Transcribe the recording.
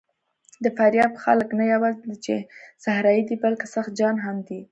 د فاریاب خلک نه یواځې دا چې صحرايي دي، بلکې سخت جان هم دي.